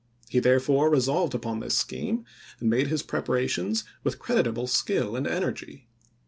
He therefore re solved upon this scheme, and made his preparations with creditable skill and energy.